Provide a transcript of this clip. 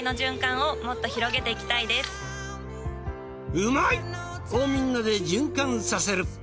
「うまい！」をみんなで循環させる。